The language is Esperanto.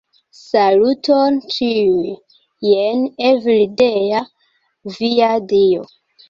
Saluton, ĉiuj! Jen Evildea, via dio.